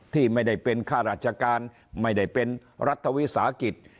ที่ไม่ได้เป็นข้าราชการไม่ได้เป็นรัฐวิสาหกิจ